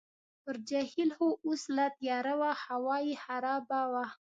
پر جهیل خو اوس لا تیاره وه، هوا یې خرابه وه.